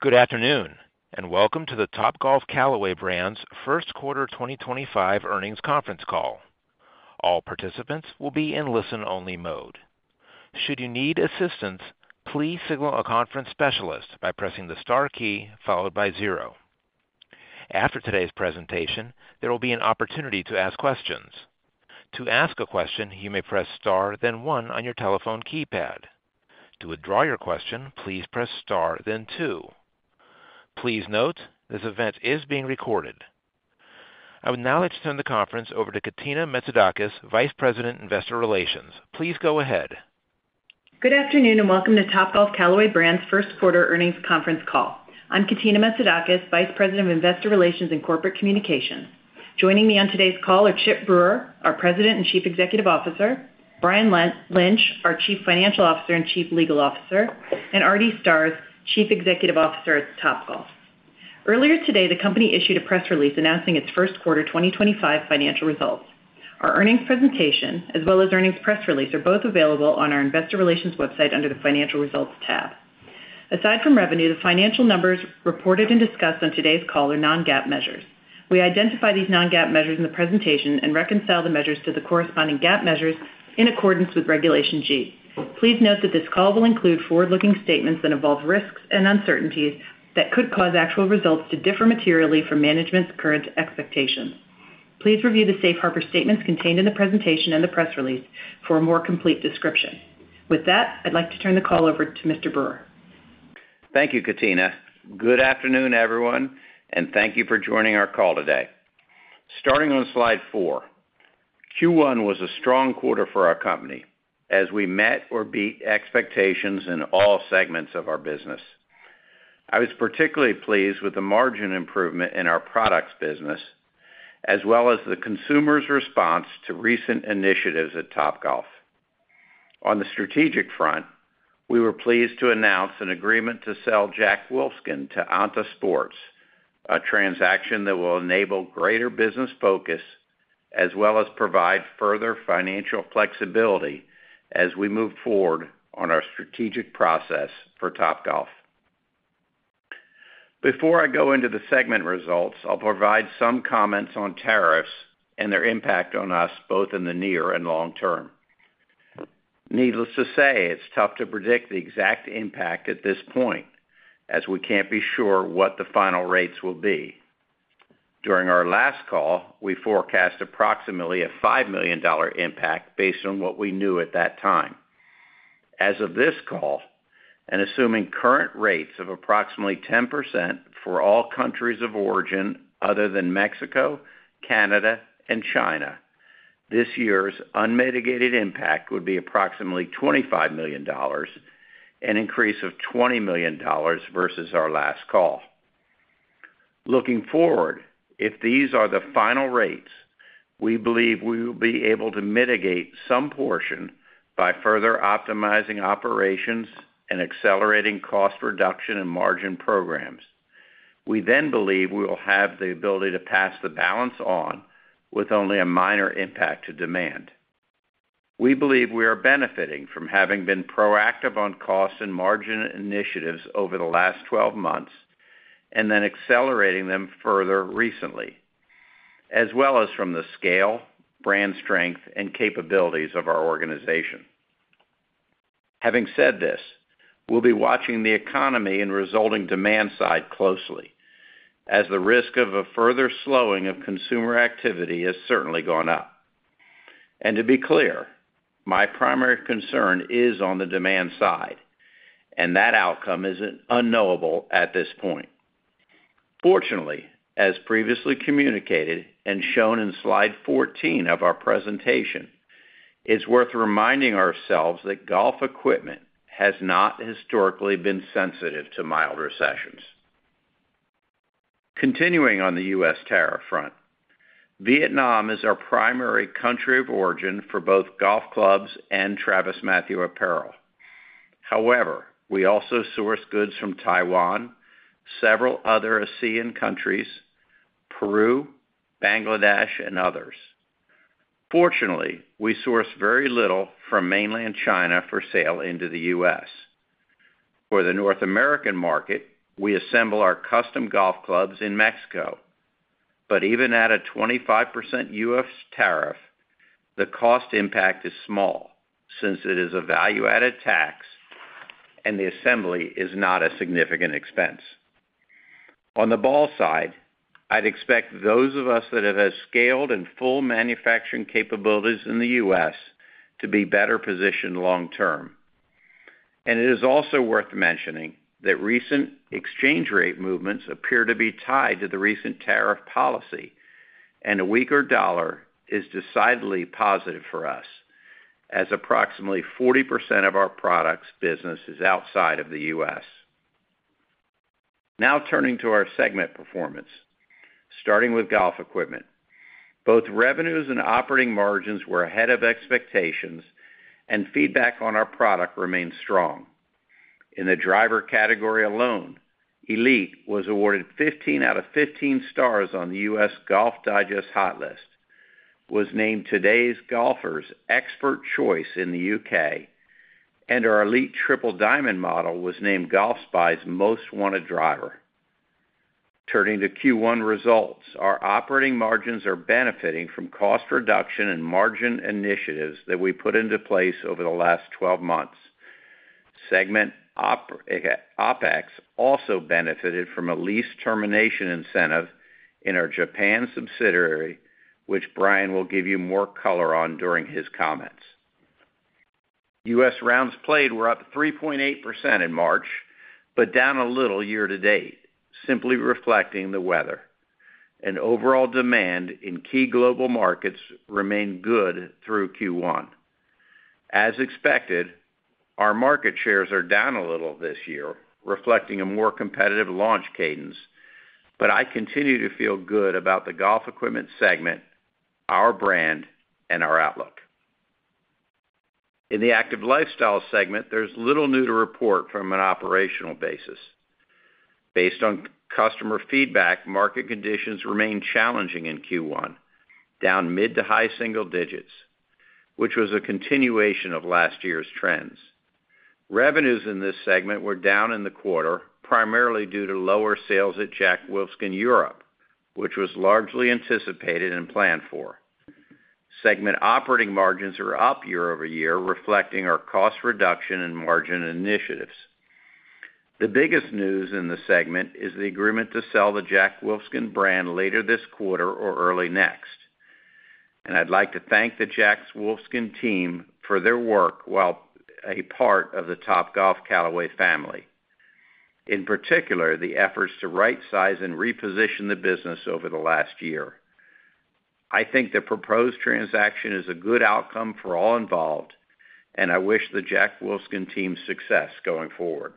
Good afternoon, and welcome to the Topgolf Callaway Brands First Quarter 2025 Earnings Conference Call. All participants will be in listen-only mode. Should you need assistance, please signal a conference specialist by pressing the star key followed by zero. After today's presentation, there will be an opportunity to ask questions. To ask a question, you may press star, then one on your telephone keypad. To withdraw your question, please press star, then two. Please note, this event is being recorded. I would now like to turn the conference over to Katina Metzidakis, Vice President, Investor Relations. Please go ahead. Good afternoon, and welcome to Topgolf Callaway Brands first quarter earnings conference call. I'm Katina Metzidakis, Vice President of Investor Relations and Corporate Communication. Joining me on today's call are Chip Brewer, our President and Chief Executive Officer; Brian Lynch, our Chief Financial Officer and Chief Legal Officer; and Artie Starrs, Chief Executive Officer at Topgolf. Earlier today, the company issued a press release announcing its first quarter 2025 financial results. Our earnings presentation, as well as earnings press release, are both available on our Investor Relations website under the Financial Results tab. Aside from revenue, the financial numbers reported and discussed on today's call are non-GAAP measures. We identify these non-GAAP measures in the presentation and reconcile the measures to the corresponding GAAP measures in accordance with Regulation G. Please note that this call will include forward-looking statements that involve risks and uncertainties that could cause actual results to differ materially from management's current expectations. Please review the Safe Harbor statements contained in the presentation and the press release for a more complete description. With that, I'd like to turn the call over to Mr. Brewer. Thank you, Katina. Good afternoon, everyone, and thank you for joining our call today. Starting on slide four, Q1 was a strong quarter for our company as we met or beat expectations in all segments of our business. I was particularly pleased with the margin improvement in our products business, as well as the consumers' response to recent initiatives at Topgolf. On the strategic front, we were pleased to announce an agreement to sell Jack Wolfskin to Onta Sports, a transaction that will enable greater business focus as well as provide further financial flexibility as we move forward on our strategic process for Topgolf. Before I go into the segment results, I'll provide some comments on tariffs and their impact on us both in the near and long term. Needless to say, it's tough to predict the exact impact at this point as we can't be sure what the final rates will be. During our last call, we forecast approximately a $5 million impact based on what we knew at that time. As of this call, and assuming current rates of approximately 10% for all countries of origin other than Mexico, Canada, and China, this year's unmitigated impact would be approximately $25 million, an increase of $20 million versus our last call. Looking forward, if these are the final rates, we believe we will be able to mitigate some portion by further optimizing operations and accelerating cost reduction and margin programs. We then believe we will have the ability to pass the balance on with only a minor impact to demand. We believe we are benefiting from having been proactive on cost and margin initiatives over the last 12 months and then accelerating them further recently, as well as from the scale, brand strength, and capabilities of our organization. Having said this, we will be watching the economy and resulting demand side closely as the risk of a further slowing of consumer activity has certainly gone up. To be clear, my primary concern is on the demand side, and that outcome is unknowable at this point. Fortunately, as previously communicated and shown in slide 14 of our presentation, it is worth reminding ourselves that golf equipment has not historically been sensitive to mild recessions. Continuing on the U.S. tariff front, Vietnam is our primary country of origin for both golf clubs and TravisMathew apparel. However, we also source goods from Taiwan, several other ASEAN countries, Peru, Bangladesh, and others. Fortunately, we source very little from mainland China for sale into the U.S. For the North American market, we assemble our custom golf clubs in Mexico. Even at a 25% U.S. tariff, the cost impact is small since it is a value-added tax and the assembly is not a significant expense. On the ball side, I'd expect those of us that have had scaled and full manufacturing capabilities in the U.S. to be better positioned long term. It is also worth mentioning that recent exchange rate movements appear to be tied to the recent tariff policy, and a weaker dollar is decidedly positive for us as approximately 40% of our products business is outside of the U.S. Now turning to our segment performance, starting with golf equipment. Both revenues and operating margins were ahead of expectations, and feedback on our product remained strong. In the driver category alone, Elite was awarded 15 out of 15 stars on the U.S. Golf Digest Hot List, was named Today's Golfers' Expert Choice in the U.K., and our Elite Triple Diamond model was named Golf Spy's Most Wanted Driver. Turning to Q1 results, our operating margins are benefiting from cost reduction and margin initiatives that we put into place over the last 12 months. Segment OPEX also benefited from a lease termination incentive in our Japan subsidiary, which Brian will give you more color on during his comments. U.S. rounds played were up 3.8% in March, but down a little year to date, simply reflecting the weather. Overall demand in key global markets remained good through Q1. As expected, our market shares are down a little this year, reflecting a more competitive launch cadence, but I continue to feel good about the golf equipment segment, our brand, and our outlook. In the active lifestyle segment, there's little new to report from an operational basis. Based on customer feedback, market conditions remained challenging in Q1, down mid to high single digits, which was a continuation of last year's trends. Revenues in this segment were down in the quarter, primarily due to lower sales at Jack Wolfskin Europe, which was largely anticipated and planned for. Segment operating margins are up year over year, reflecting our cost reduction and margin initiatives. The biggest news in the segment is the agreement to sell the Jack Wolfskin brand later this quarter or early next. I would like to thank the Jack Wolfskin team for their work while a part of the Topgolf Callaway family, in particular the efforts to right-size and reposition the business over the last year. I think the proposed transaction is a good outcome for all involved, and I wish the Jack Wolfskin team success going forward.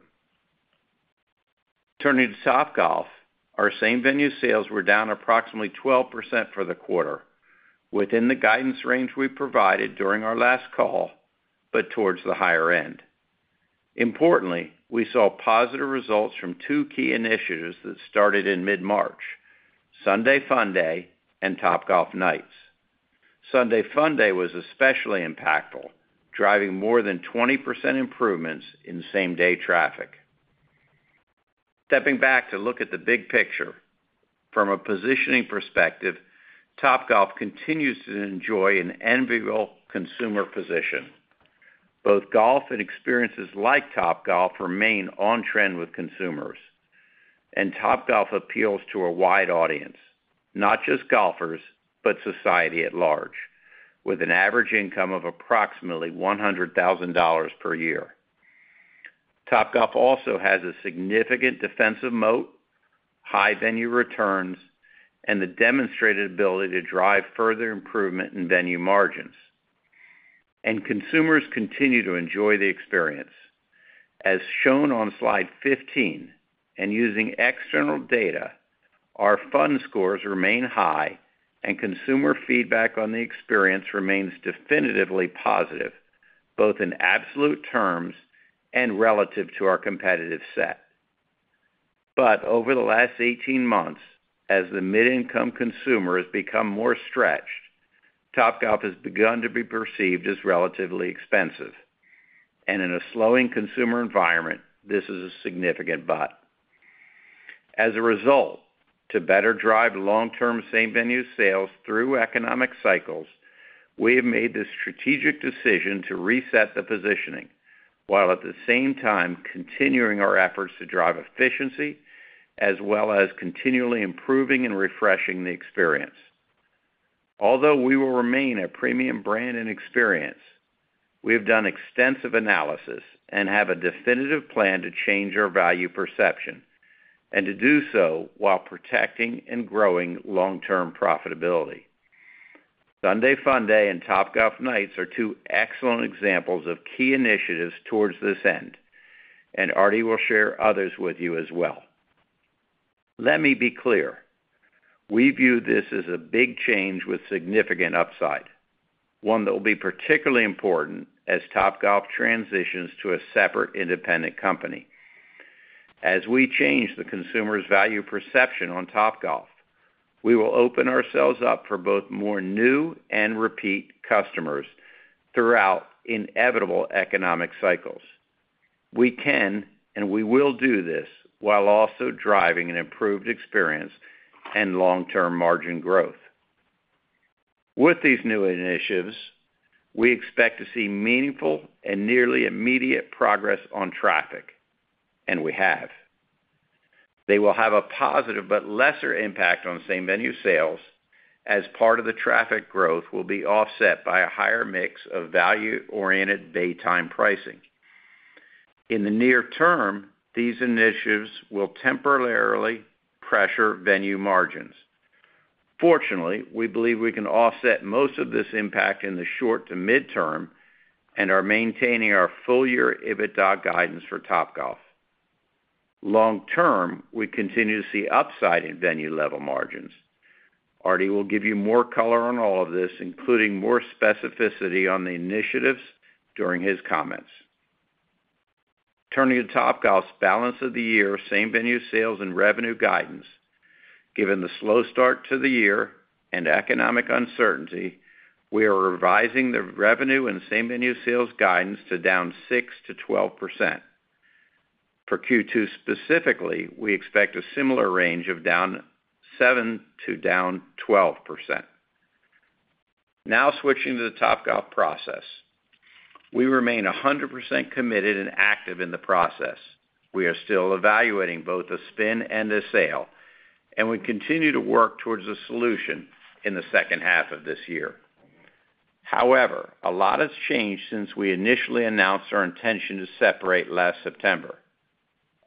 Turning to Topgolf, our same-venue sales were down approximately 12% for the quarter, within the guidance range we provided during our last call, but towards the higher end. Importantly, we saw positive results from two key initiatives that started in mid-March, Sunday Funday and Topgolf Nights. Sunday Funday was especially impactful, driving more than 20% improvements in same-day traffic. Stepping back to look at the big picture, from a positioning perspective, Topgolf continues to enjoy an enviable consumer position. Both golf and experiences like Topgolf remain on-trend with consumers, and Topgolf appeals to a wide audience, not just golfers, but society at large, with an average income of approximately $100,000 per year. Topgolf also has a significant defensive moat, high venue returns, and the demonstrated ability to drive further improvement in venue margins. Consumers continue to enjoy the experience. As shown on slide 15, and using external data, our fund scores remain high, and consumer feedback on the experience remains definitively positive, both in absolute terms and relative to our competitive set. Over the last 18 months, as the mid-income consumer has become more stretched, Topgolf has begun to be perceived as relatively expensive. In a slowing consumer environment, this is a significant but. As a result, to better drive long-term same-venue sales through economic cycles, we have made the strategic decision to reset the positioning, while at the same time continuing our efforts to drive efficiency, as well as continually improving and refreshing the experience. Although we will remain a premium brand and experience, we have done extensive analysis and have a definitive plan to change our value perception, and to do so while protecting and growing long-term profitability. Sunday Funday and Topgolf Nights are two excellent examples of key initiatives towards this end, and Artie will share others with you as well. Let me be clear. We view this as a big change with significant upside, one that will be particularly important as Topgolf transitions to a separate independent company. As we change the consumer's value perception on Topgolf, we will open ourselves up for both more new and repeat customers throughout inevitable economic cycles. We can, and we will do this, while also driving an improved experience and long-term margin growth. With these new initiatives, we expect to see meaningful and nearly immediate progress on traffic, and we have. They will have a positive but lesser impact on same-venue sales as part of the traffic growth will be offset by a higher mix of value-oriented daytime pricing. In the near term, these initiatives will temporarily pressure venue margins. Fortunately, we believe we can offset most of this impact in the short to mid-term and are maintaining our full-year IBIT-DOC guidance for Topgolf. Long-term, we continue to see upside in venue-level margins. Artie will give you more color on all of this, including more specificity on the initiatives during his comments. Turning to Topgolf's balance of the year same-venue sales and revenue guidance. Given the slow start to the year and economic uncertainty, we are revising the revenue and same-venue sales guidance to down 6%-12%. For Q2 specifically, we expect a similar range of down 7%-12%. Now switching to the Topgolf process. We remain 100% committed and active in the process. We are still evaluating both the spin and the sale, and we continue to work towards a solution in the second half of this year. However, a lot has changed since we initially announced our intention to separate last September.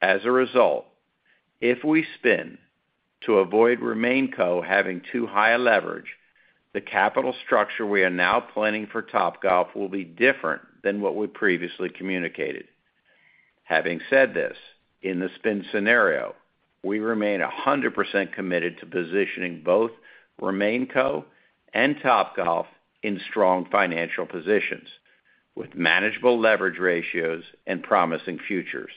As a result, if we spin to avoid RemainCo having too high a leverage, the capital structure we are now planning for Topgolf will be different than what we previously communicated. Having said this, in the spin scenario, we remain 100% committed to positioning both RemainCo and Topgolf in strong financial positions with manageable leverage ratios and promising futures.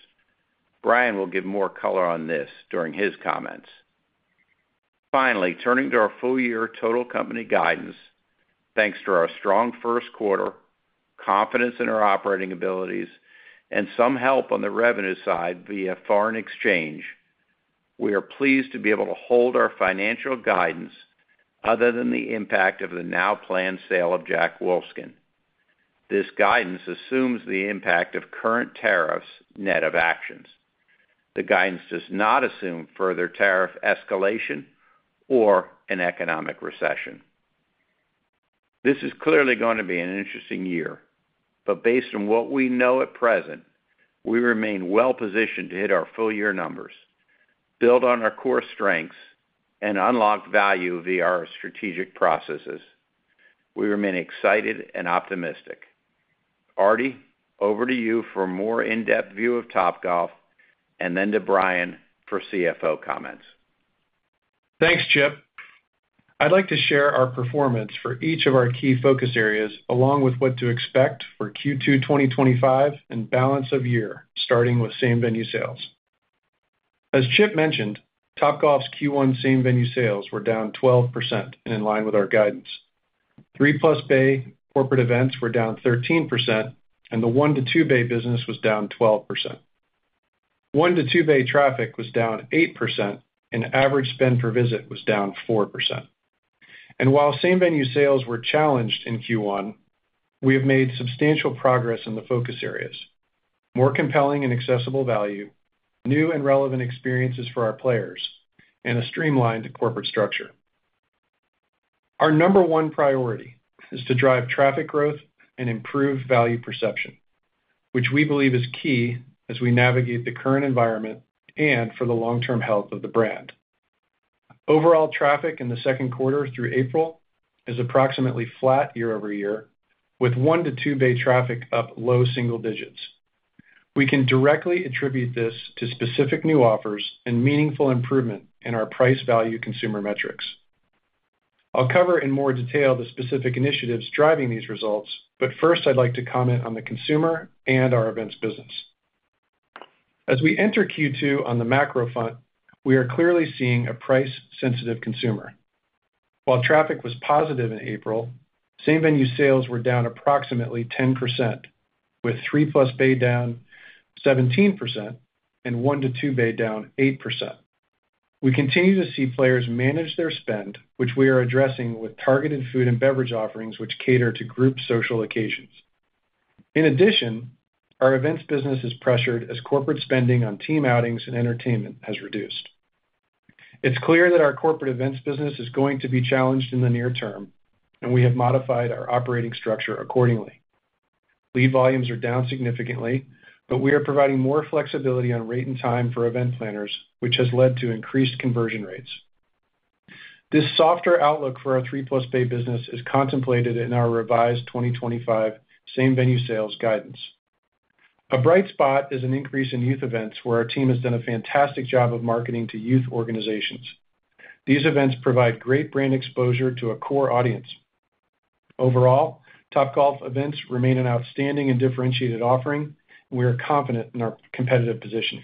Brian will give more color on this during his comments. Finally, turning to our full-year total company guidance, thanks to our strong first quarter, confidence in our operating abilities, and some help on the revenue side via foreign exchange, we are pleased to be able to hold our financial guidance other than the impact of the now-planned sale of Jack Wolfskin. This guidance assumes the impact of current tariffs net of actions. The guidance does not assume further tariff escalation or an economic recession. This is clearly going to be an interesting year, but based on what we know at present, we remain well-positioned to hit our full-year numbers, build on our core strengths, and unlock value via our strategic processes. We remain excited and optimistic. Artie, over to you for a more in-depth view of Topgolf, and then to Brian for CFO comments. Thanks, Chip. I'd like to share our performance for each of our key focus areas along with what to expect for Q2 2025 and balance of year, starting with same-venue sales. As Chip mentioned, Topgolf's Q1 same-venue sales were down 12% and in line with our guidance. Three-plus bay corporate events were down 13%, and the one-to-two bay business was down 12%. One-to-two bay traffic was down 8%, and average spend per visit was down 4%. While same-venue sales were challenged in Q1, we have made substantial progress in the focus areas: more compelling and accessible value, new and relevant experiences for our players, and a streamlined corporate structure. Our number one priority is to drive traffic growth and improve value perception, which we believe is key as we navigate the current environment and for the long-term health of the brand. Overall traffic in the second quarter through April is approximately flat year over year, with one-to-two bay traffic up low single digits. We can directly attribute this to specific new offers and meaningful improvement in our price-value consumer metrics. I'll cover in more detail the specific initiatives driving these results, but first I'd like to comment on the consumer and our events business. As we enter Q2 on the macro front, we are clearly seeing a price-sensitive consumer. While traffic was positive in April, same-venue sales were down approximately 10%, with three-plus bay down 17% and one-to-two bay down 8%. We continue to see players manage their spend, which we are addressing with targeted food and beverage offerings which cater to group social occasions. In addition, our events business is pressured as corporate spending on team outings and entertainment has reduced. It's clear that our corporate events business is going to be challenged in the near term, and we have modified our operating structure accordingly. Lead volumes are down significantly, but we are providing more flexibility on rate and time for event planners, which has led to increased conversion rates. This softer outlook for our three-plus bay business is contemplated in our revised 2025 same-venue sales guidance. A bright spot is an increase in youth events where our team has done a fantastic job of marketing to youth organizations. These events provide great brand exposure to a core audience. Overall, Topgolf events remain an outstanding and differentiated offering, and we are confident in our competitive position.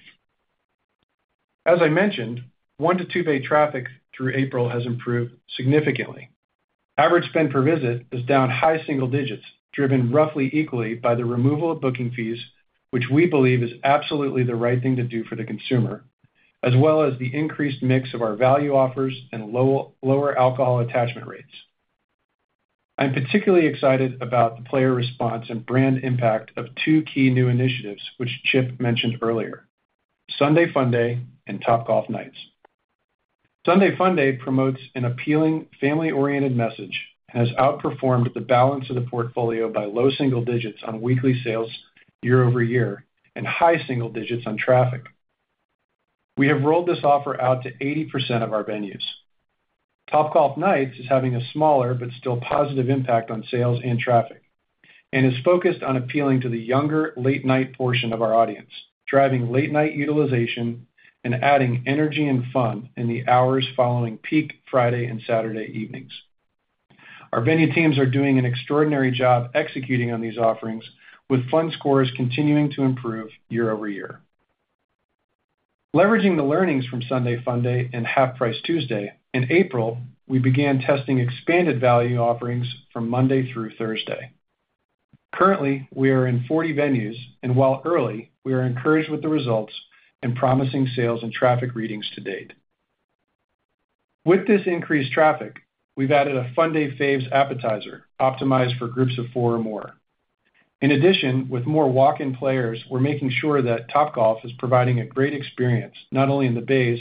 As I mentioned, one-to-two bay traffic through April has improved significantly. Average spend per visit is down high single digits, driven roughly equally by the removal of booking fees, which we believe is absolutely the right thing to do for the consumer, as well as the increased mix of our value offers and lower alcohol attachment rates. I'm particularly excited about the player response and brand impact of two key new initiatives, which Chip mentioned earlier: Sunday Funday and Topgolf Nights. Sunday Funday promotes an appealing, family-oriented message and has outperformed the balance of the portfolio by low single digits on weekly sales year over year and high single digits on traffic. We have rolled this offer out to 80% of our venues. Topgolf Nights is having a smaller but still positive impact on sales and traffic and is focused on appealing to the younger late-night portion of our audience, driving late-night utilization and adding energy and fun in the hours following peak Friday and Saturday evenings. Our venue teams are doing an extraordinary job executing on these offerings, with fund scores continuing to improve year over year. Leveraging the learnings from Sunday Funday and Half-Price Tuesday, in April, we began testing expanded value offerings from Monday through Thursday. Currently, we are in 40 venues, and while early, we are encouraged with the results and promising sales and traffic readings to date. With this increased traffic, we've added a Funday Faves appetizer optimized for groups of four or more. In addition, with more walk-in players, we're making sure that Topgolf is providing a great experience not only in the bays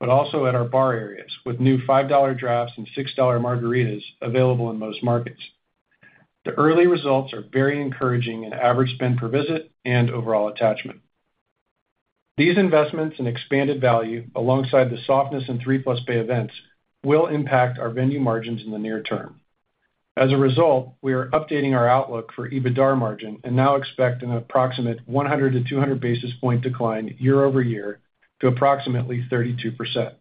but also at our bar areas, with new $5 drafts and $6 margaritas available in most markets. The early results are very encouraging in average spend per visit and overall attachment. These investments in expanded value, alongside the softness in three-plus bay events, will impact our venue margins in the near term. As a result, we are updating our outlook for EBITDA margin and now expect an approximate 100-200 basis point decline year over year to approximately 32%.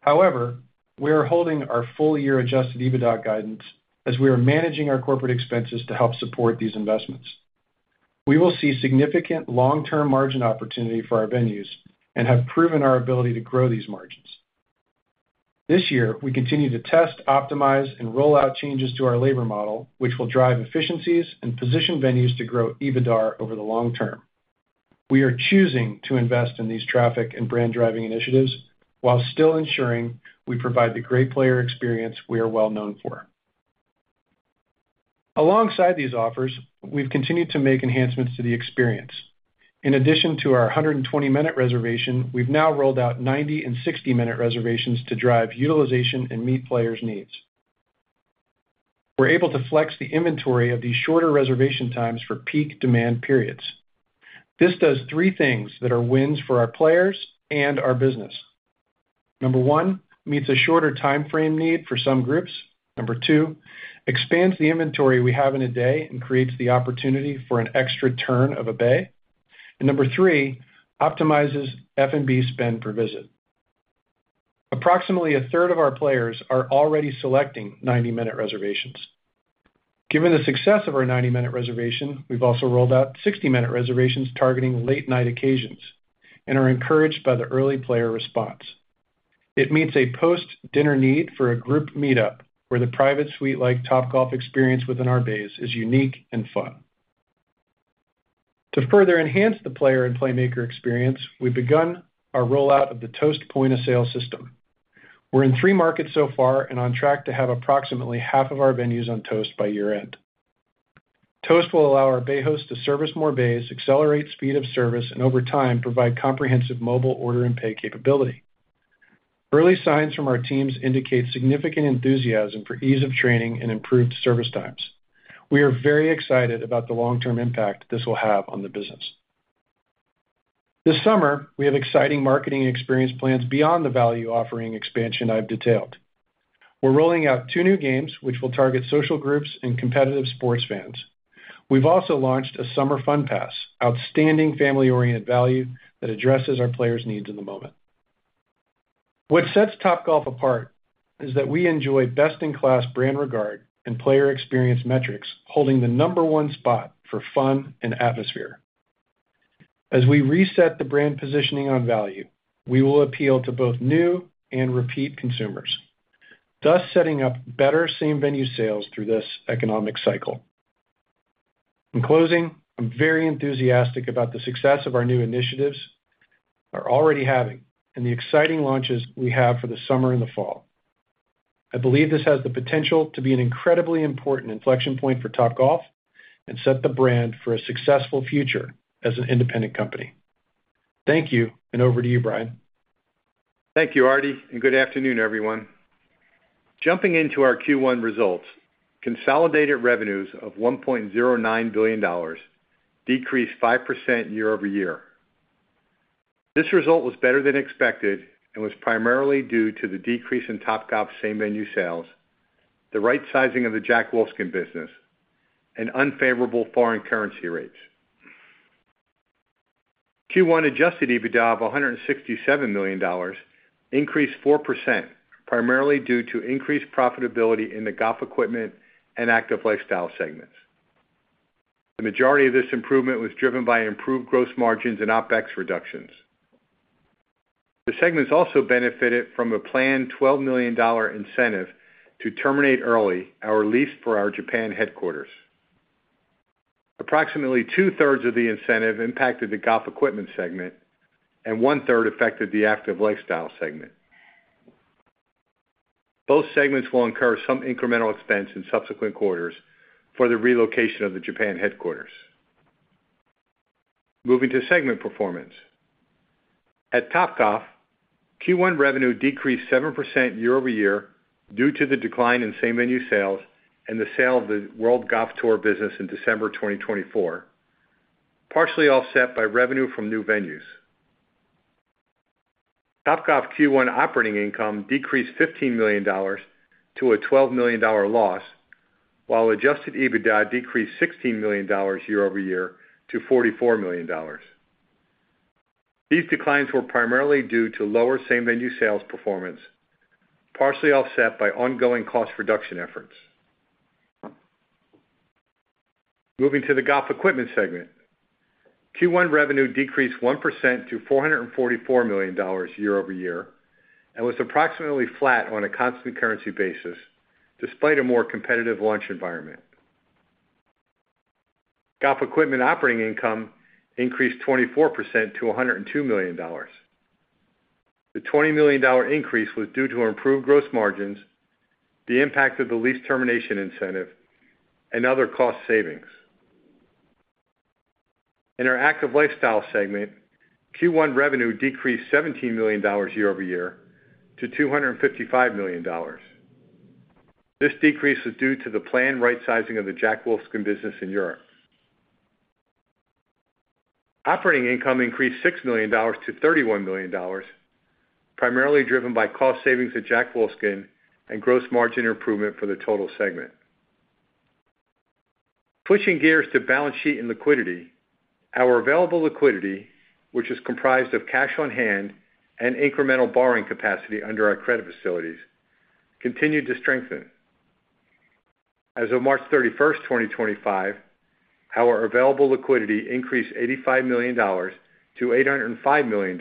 However, we are holding our full-year adjusted EBITDA guidance as we are managing our corporate expenses to help support these investments. We will see significant long-term margin opportunity for our venues and have proven our ability to grow these margins. This year, we continue to test, optimize, and roll out changes to our labor model, which will drive efficiencies and position venues to grow EBITDA over the long term. We are choosing to invest in these traffic and brand driving initiatives while still ensuring we provide the great player experience we are well known for. Alongside these offers, we've continued to make enhancements to the experience. In addition to our 120-minute reservation, we've now rolled out 90 and 60-minute reservations to drive utilization and meet players' needs. We're able to flex the inventory of these shorter reservation times for peak demand periods. This does three things that are wins for our players and our business. Number one, meets a shorter timeframe need for some groups. Number two, expands the inventory we have in a day and creates the opportunity for an extra turn of a bay. Number three, optimizes F&B spend per visit. Approximately a third of our players are already selecting 90-minute reservations. Given the success of our 90-minute reservation, we've also rolled out 60-minute reservations targeting late-night occasions and are encouraged by the early player response. It meets a post-dinner need for a group meetup where the private suite-like Topgolf experience within our bays is unique and fun. To further enhance the player and playmaker experience, we've begun our rollout of the Toast Point of Sale system. We're in three markets so far and on track to have approximately half of our venues on Toast by year-end. Toast will allow our bay hosts to service more bays, accelerate speed of service, and over time provide comprehensive mobile order and pay capability. Early signs from our teams indicate significant enthusiasm for ease of training and improved service times. We are very excited about the long-term impact this will have on the business. This summer, we have exciting marketing experience plans beyond the value offering expansion I have detailed. We are rolling out two new games, which will target social groups and competitive sports fans. We have also launched a summer fun pass, outstanding family-oriented value that addresses our players' needs in the moment. What sets Topgolf apart is that we enjoy best-in-class brand regard and player experience metrics holding the number one spot for fun and atmosphere. As we reset the brand positioning on value, we will appeal to both new and repeat consumers, thus setting up better same-venue sales through this economic cycle. In closing, I'm very enthusiastic about the success of our new initiatives, our already having, and the exciting launches we have for the summer and the fall. I believe this has the potential to be an incredibly important inflection point for Topgolf and set the brand for a successful future as an independent company. Thank you, and over to you, Brian. Thank you, Artie, and good afternoon, everyone. Jumping into our Q1 results, consolidated revenues of $1.09 billion decreased 5% year-over-year. This result was better than expected and was primarily due to the decrease in Topgolf's same-venue sales, the right sizing of the Jack Wolfskin business, and unfavorable foreign currency rates. Q1 Adjusted EBITDA of $167 million increased 4%, primarily due to increased profitability in the golf equipment and active lifestyle segments. The majority of this improvement was driven by improved gross margins and OpEx reductions. The segments also benefited from a planned $12 million incentive to terminate early our lease for our Japan headquarters. Approximately two-thirds of the incentive impacted the golf equipment segment, and one-third affected the active lifestyle segment. Both segments will incur some incremental expense in subsequent quarters for the relocation of the Japan headquarters. Moving to segment performance. At Topgolf, Q1 revenue decreased 7% year-over-year due to the decline in same-venue sales and the sale of the World Golf Tour business in December 2024, partially offset by revenue from new venues. Topgolf Q1 operating income decreased $15 million to a $12 million loss, while Adjusted EBITDA decreased $16 million year-over-year to $44 million. These declines were primarily due to lower same-venue sales performance, partially offset by ongoing cost reduction efforts. Moving to the golf equipment segment, Q1 revenue decreased 1% to $444 million year-over-year and was approximately flat on a constant currency basis despite a more competitive launch environment. Golf equipment operating income increased 24% to $102 million. The $20 million increase was due to improved gross margins, the impact of the lease termination incentive, and other cost savings. In our active lifestyle segment, Q1 revenue decreased $17 million year-over-year to $255 million. This decrease was due to the planned right sizing of the Jack Wolfskin business in Europe. Operating income increased $6 million-$31 million, primarily driven by cost savings at Jack Wolfskin and gross margin improvement for the total segment. Pushing gears to balance sheet and liquidity, our available liquidity, which is comprised of cash on hand and incremental borrowing capacity under our credit facilities, continued to strengthen. As of March 31st, 2025, our available liquidity increased $85 million-$805 million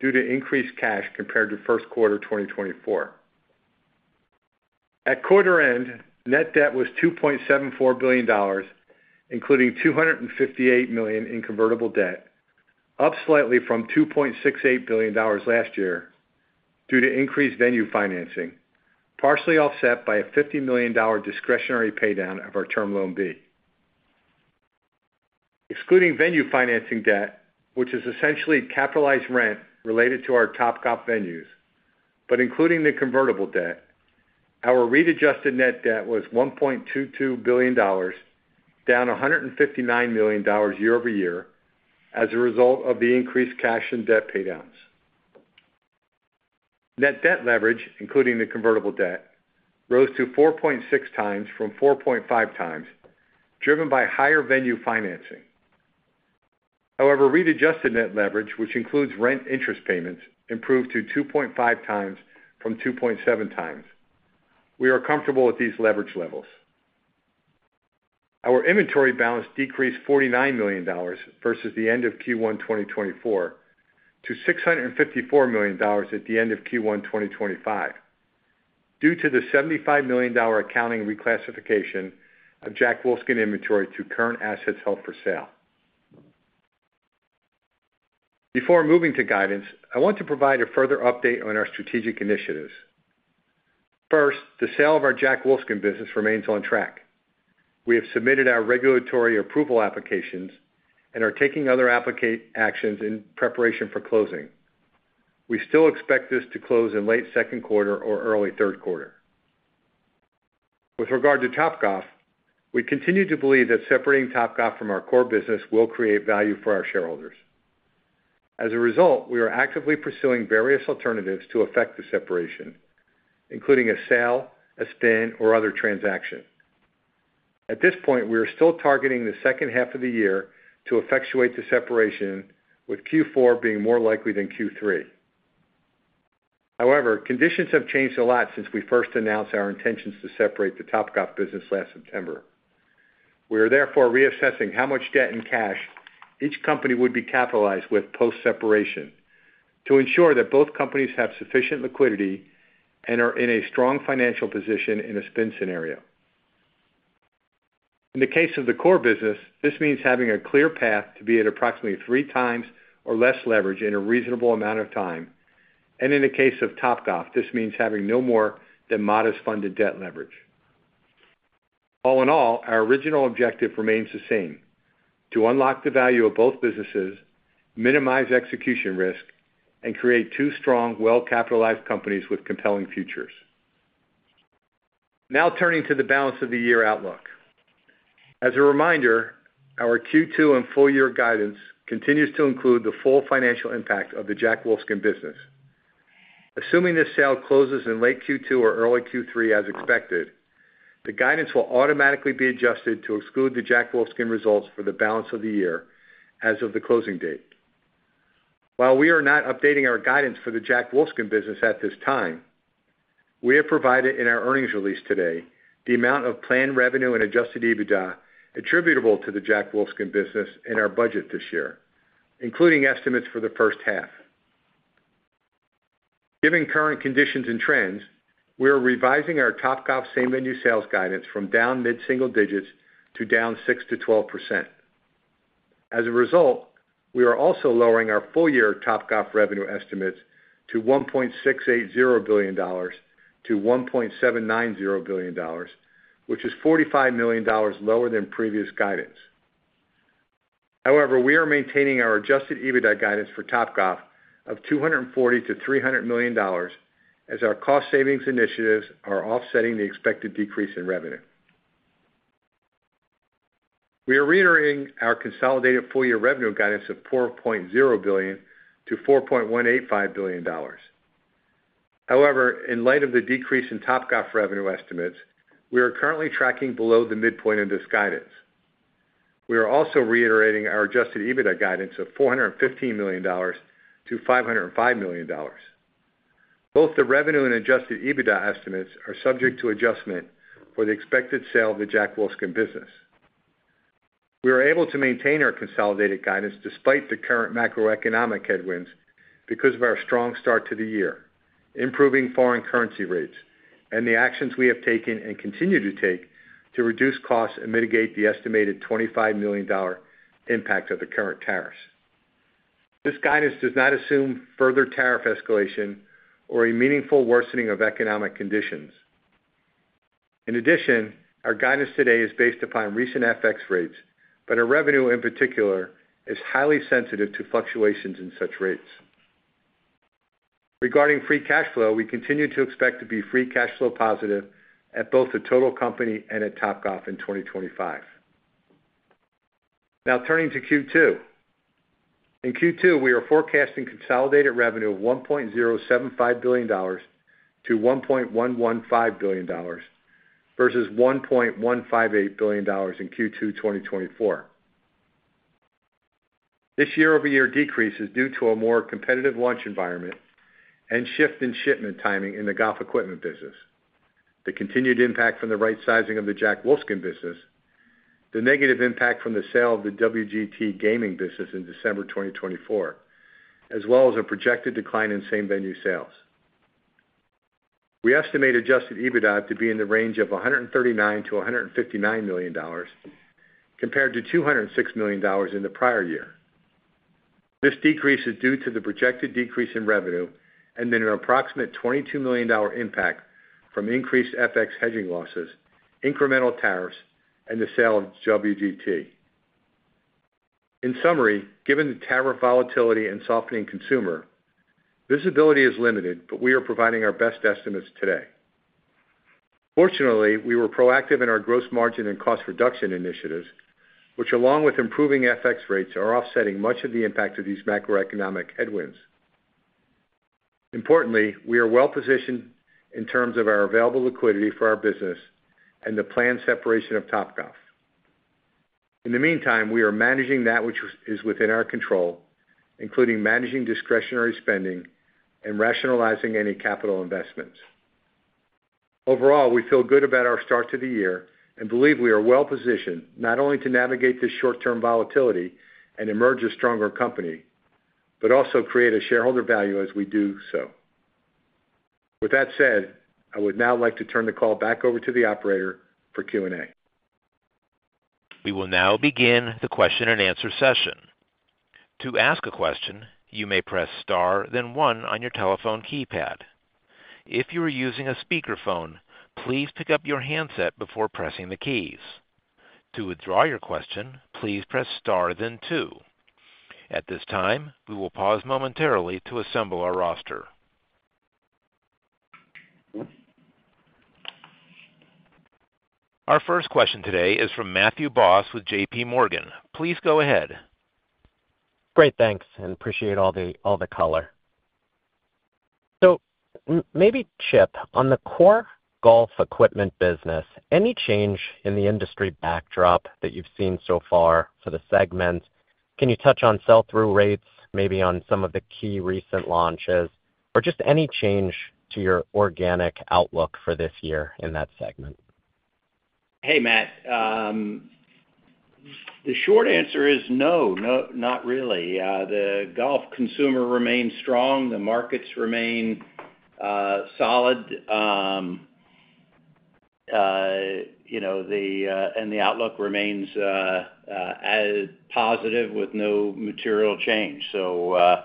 due to increased cash compared to first quarter 2024. At quarter end, net debt was $2.74 billion, including $258 million in convertible debt, up slightly from $2.68 billion last year due to increased venue financing, partially offset by a $50 million discretionary paydown of our term loan B. Excluding venue financing debt, which is essentially capitalized rent related to our Topgolf venues, but including the convertible debt, our readjusted net debt was $1.22 billion, down $159 million year-over-year as a result of the increased cash and debt paydowns. Net debt leverage, including the convertible debt, rose to 4.6x from 4.5x, driven by higher venue financing. However, readjusted net leverage, which includes rent interest payments, improved to 2.5x from 2.7x. We are comfortable with these leverage levels. Our inventory balance decreased $49 million versus the end of Q1 2024 to $654 million at the end of Q1 2025 due to the $75 million accounting reclassification of Jack Wolfskin inventory to current assets held for sale. Before moving to guidance, I want to provide a further update on our strategic initiatives. First, the sale of our Jack Wolfskin business remains on track. We have submitted our regulatory approval applications and are taking other application actions in preparation for closing. We still expect this to close in late second quarter or early third quarter. With regard to Topgolf, we continue to believe that separating Topgolf from our core business will create value for our shareholders. As a result, we are actively pursuing various alternatives to effect the separation, including a sale, a spin, or other transaction. At this point, we are still targeting the second half of the year to effectuate the separation, with Q4 being more likely than Q3. However, conditions have changed a lot since we first announced our intentions to separate the Topgolf business last September. We are therefore reassessing how much debt and cash each company would be capitalized with post-separation to ensure that both companies have sufficient liquidity and are in a strong financial position in a spin scenario. In the case of the core business, this means having a clear path to be at approximately three times or less leverage in a reasonable amount of time, and in the case of Topgolf, this means having no more than modest funded debt leverage. All in all, our original objective remains the same: to unlock the value of both businesses, minimize execution risk, and create two strong, well-capitalized companies with compelling futures. Now turning to the balance of the year outlook. As a reminder, our Q2 and full-year guidance continues to include the full financial impact of the Jack Wolfskin business. Assuming this sale closes in late Q2 or early Q3 as expected, the guidance will automatically be adjusted to exclude the Jack Wolfskin results for the balance of the year as of the closing date. While we are not updating our guidance for the Jack Wolfskin business at this time, we have provided in our earnings release today the amount of planned revenue and Adjusted EBITDA attributable to the Jack Wolfskin business in our budget this year, including estimates for the first half. Given current conditions and trends, we are revising our Topgolf same-venue sales guidance from down mid-single digits to down 6%-12%. As a result, we are also lowering our full-year Topgolf revenue estimates to $1.680 billion-$1.790 billion, which is $45 million lower than previous guidance. However, we are maintaining our Adjusted EBITDA guidance for Topgolf of $240 million-$300 million as our cost savings initiatives are offsetting the expected decrease in revenue. We are reiterating our consolidated full-year revenue guidance of $4.0 billion-$4.185 billion. However, in light of the decrease in Topgolf revenue estimates, we are currently tracking below the midpoint of this guidance. We are also reiterating our Adjusted EBITDA guidance of $415 million-$505 million. Both the revenue and Adjusted EBITDA estimates are subject to adjustment for the expected sale of the Jack Wolfskin business. We are able to maintain our consolidated guidance despite the current macroeconomic headwinds because of our strong start to the year, improving foreign currency rates, and the actions we have taken and continue to take to reduce costs and mitigate the estimated $25 million impact of the current tariffs. This guidance does not assume further tariff escalation or a meaningful worsening of economic conditions. In addition, our guidance today is based upon recent FX rates, but our revenue in particular is highly sensitive to fluctuations in such rates. Regarding free cash flow, we continue to expect to be free cash flow positive at both the total company and at Topgolf in 2025. Now turning to Q2. In Q2, we are forecasting consolidated revenue of $1.075 billion-$1.115 billion versus $1.158 billion in Q2 2024. This year-over-year decrease is due to a more competitive launch environment and shift in shipment timing in the golf equipment business, the continued impact from the right sizing of the Jack Wolfskin business, the negative impact from the sale of the WGT gaming business in December 2024, as well as a projected decline in same-venue sales. We estimate AdjustedEBITDA to be in the range of $139 million-$159 million compared to $206 million in the prior year. This decrease is due to the projected decrease in revenue and then an approximate $22 million impact from increased FX hedging losses, incremental tariffs, and the sale of WGT. In summary, given the tariff volatility and softening consumer, visibility is limited, but we are providing our best estimates today. Fortunately, we were proactive in our gross margin and cost reduction initiatives, which, along with improving FX rates, are offsetting much of the impact of these macroeconomic headwinds. Importantly, we are well positioned in terms of our available liquidity for our business and the planned separation of Topgolf. In the meantime, we are managing that which is within our control, including managing discretionary spending and rationalizing any capital investments. Overall, we feel good about our start to the year and believe we are well positioned not only to navigate this short-term volatility and emerge a stronger company, but also create shareholder value as we do so. With that said, I would now like to turn the call back over to the operator for Q&A. We will now begin the question-and-answer session. To ask a question, you may press star, then one on your telephone keypad. If you are using a speakerphone, please pick up your handset before pressing the keys. To withdraw your question, please press star, then two. At this time, we will pause momentarily to assemble our roster. Our first question today is from Matthew Boss with JPMorgan. Please go ahead. Great. Thanks. And appreciate all the color. Maybe, Chip, on the core golf equipment business, any change in the industry backdrop that you've seen so far for the segment? Can you touch on sell-through rates, maybe on some of the key recent launches, or just any change to your organic outlook for this year in that segment? Hey, Matt. The short answer is no, not really. The golf consumer remains strong. The markets remain solid, and the outlook remains positive with no material change. The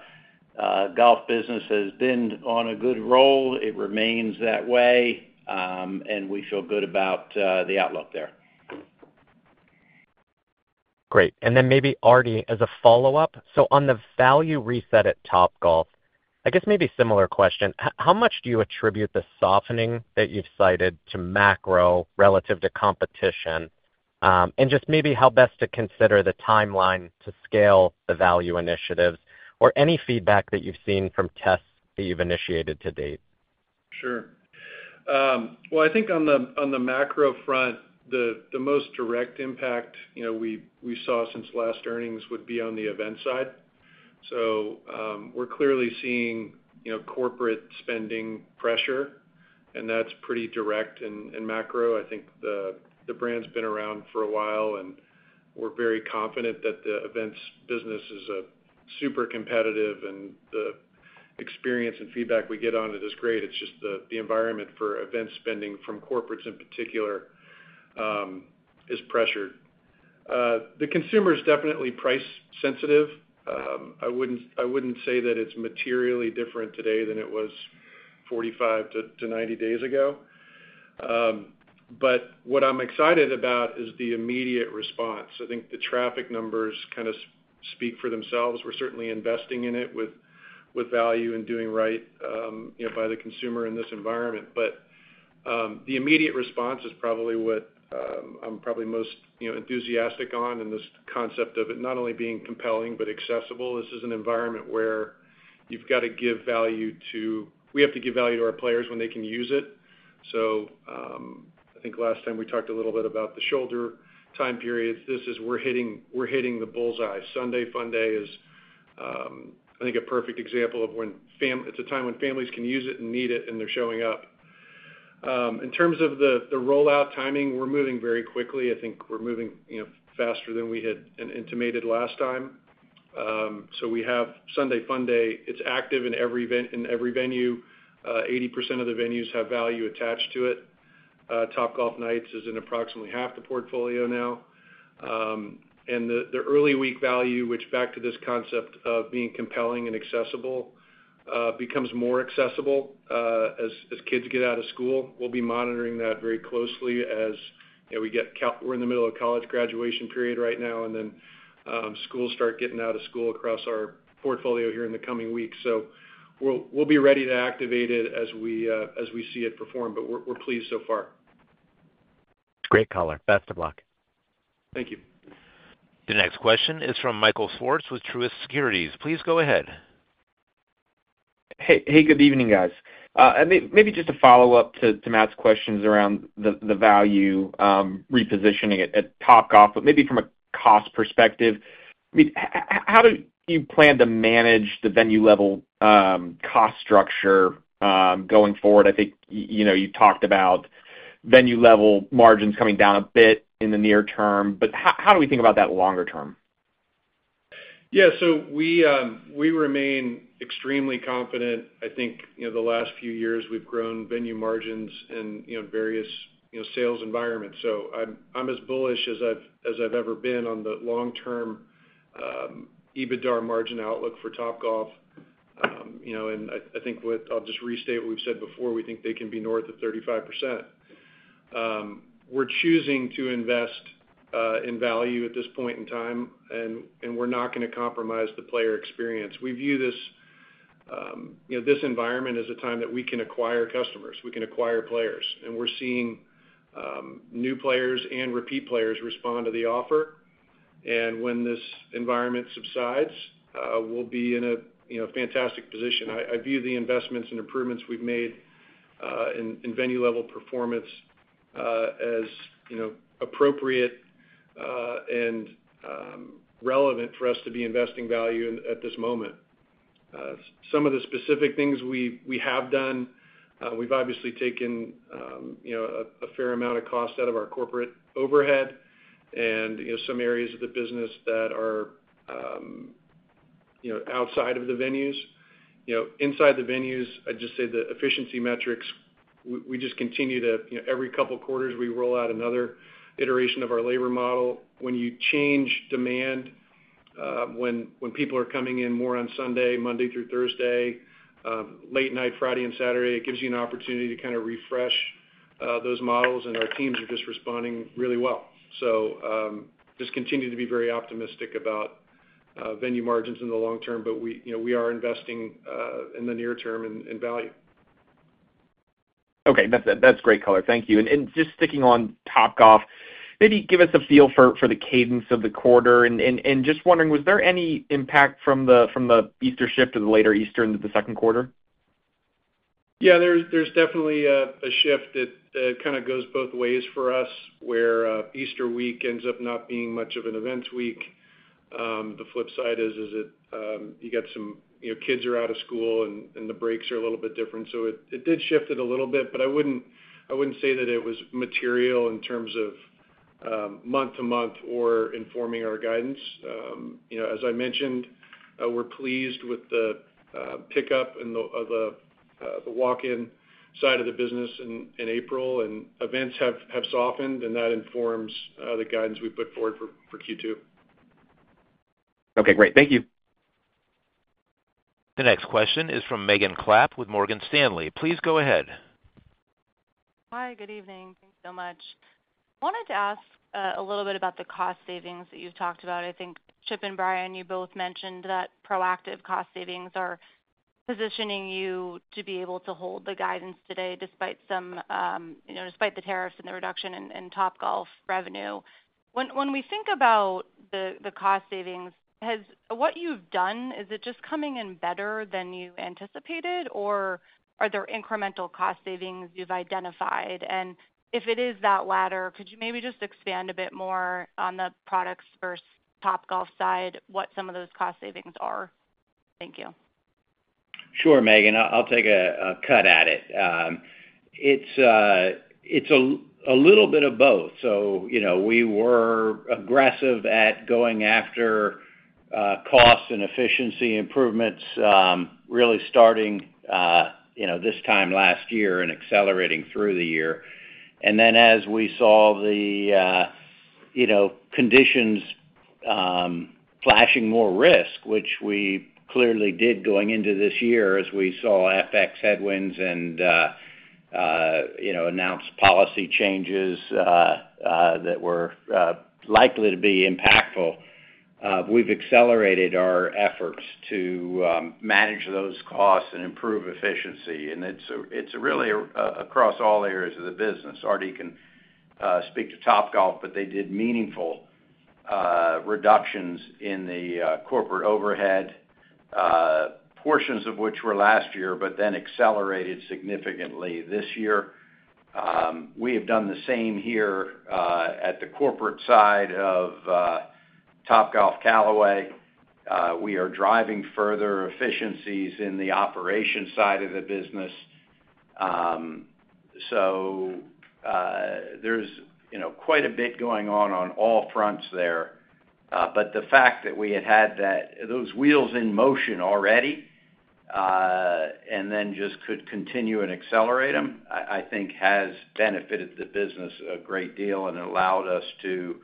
golf business has been on a good roll. It remains that way, and we feel good about the outlook there. Great. Maybe, Artie, as a follow-up, on the value reset at Topgolf, I guess maybe similar question. How much do you attribute the softening that you've cited to macro relative to competition, and just maybe how best to consider the timeline to scale the value initiatives or any feedback that you've seen from tests that you've initiated to date? Sure. I think on the macro front, the most direct impact we saw since last earnings would be on the event side. We're clearly seeing corporate spending pressure, and that's pretty direct in macro. I think the brand's been around for a while, and we're very confident that the events business is super competitive, and the experience and feedback we get on it is great. It's just the environment for event spending from corporates in particular is pressured. The consumer is definitely price-sensitive. I wouldn't say that it's materially different today than it was 45 to 90 days ago. What I'm excited about is the immediate response. I think the traffic numbers kind of speak for themselves. We're certainly investing in it with value and doing right by the consumer in this environment. The immediate response is probably what I'm most enthusiastic on in this concept of it not only being compelling but accessible. This is an environment where you've got to give value to our players when they can use it. I think last time we talked a little bit about the shoulder time periods. This is hitting the bullseye. Sunday Funday is, I think, a perfect example of when it's a time when families can use it and need it, and they're showing up. In terms of the rollout timing, we're moving very quickly. I think we're moving faster than we had intimated last time. We have Sunday Funday. It's active in every venue. 80% of the venues have value attached to it. Topgolf Nights is in approximately half the portfolio now. The early week value, which, back to this concept of being compelling and accessible, becomes more accessible as kids get out of school. We'll be monitoring that very closely as we get—we're in the middle of college graduation period right now, and then schools start getting out of school across our portfolio here in the coming weeks. We'll be ready to activate it as we see it perform, but we're pleased so far. Great color. Best of luck. Thank you. The next question is from Michael Swartz with Truist Securities. Please go ahead. Hey, good evening, guys. Maybe just a follow-up to Matt's questions around the value repositioning at Topgolf, but maybe from a cost perspective. How do you plan to manage the venue-level cost structure going forward? I think you talked about venue-level margins coming down a bit in the near term, but how do we think about that longer term? Yeah. So we remain extremely confident. I think the last few years we've grown venue margins in various sales environments. I'm as bullish as I've ever been on the long-term EBITDA margin outlook for Topgolf. I think I'll just restate what we've said before. We think they can be north of 35%. We're choosing to invest in value at this point in time, and we're not going to compromise the player experience. We view this environment as a time that we can acquire customers. We can acquire players. We're seeing new players and repeat players respond to the offer. When this environment subsides, we'll be in a fantastic position. I view the investments and improvements we've made in venue-level performance as appropriate and relevant for us to be investing value at this moment. Some of the specific things we have done, we've obviously taken a fair amount of cost out of our corporate overhead and some areas of the business that are outside of the venues. Inside the venues, I'd just say the efficiency metrics, we just continue to every couple of quarters, we roll out another iteration of our labor model. When you change demand, when people are coming in more on Sunday, Monday through Thursday, late night Friday and Saturday, it gives you an opportunity to kind of refresh those models, and our teams are just responding really well. Just continue to be very optimistic about venue margins in the long term, but we are investing in the near term in value. Okay. That's great color. Thank you. And just sticking on Topgolf, maybe give us a feel for the cadence of the quarter. And just wondering, was there any impact from the Easter shift to the later Easter into the second quarter? Yeah. There's definitely a shift that kind of goes both ways for us where Easter week ends up not being much of an events week. The flip side is you got some kids are out of school, and the breaks are a little bit different. So it did shift it a little bit, but I wouldn't say that it was material in terms of month to month or informing our guidance. As I mentioned, we're pleased with the pickup and the walk-in side of the business in April, and events have softened, and that informs the guidance we put forward for Q2. Okay. Great. Thank you. The next question is from Megan Clapp with Morgan Stanley. Please go ahead. Hi. Good evening. Thanks so much. Wanted to ask a little bit about the cost savings that you've talked about. I think Chip and Brian, you both mentioned that proactive cost savings are positioning you to be able to hold the guidance today despite the tariffs and the reduction in Topgolf revenue. When we think about the cost savings, what you've done, is it just coming in better than you anticipated, or are there incremental cost savings you've identified? If it is that latter, could you maybe just expand a bit more on the products versus Topgolf side, what some of those cost savings are? Thank you. Sure, Megan. I'll take a cut at it. It's a little bit of both. We were aggressive at going after cost and efficiency improvements, really starting this time last year and accelerating through the year. As we saw the conditions flashing more risk, which we clearly did going into this year as we saw FX headwinds and announced policy changes that were likely to be impactful, we've accelerated our efforts to manage those costs and improve efficiency. It's really across all areas of the business. Artie can speak to Topgolf, but they did meaningful reductions in the corporate overhead, portions of which were last year, but then accelerated significantly this year. We have done the same here at the corporate side of Topgolf Callaway. We are driving further efficiencies in the operation side of the business. There's quite a bit going on on all fronts there. The fact that we had had those wheels in motion already and then just could continue and accelerate them, I think has benefited the business a great deal and allowed us to,